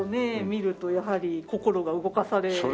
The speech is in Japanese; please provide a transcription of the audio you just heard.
見るとやはり心が動かされて。